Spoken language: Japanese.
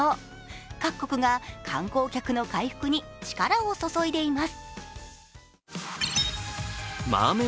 各国が観光客の回復に力を注いでいます。